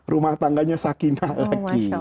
rumah tangganya sakina lagi